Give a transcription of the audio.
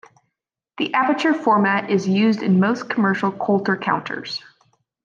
The aperture format is used in most commercial Coulter counters.